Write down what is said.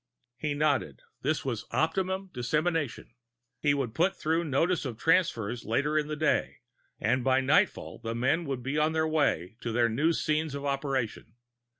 _ He nodded. That was optimum dissemination; he would put through notice of the transfers later in the day, and by nightfall the men would be on their way to their new scenes of operation.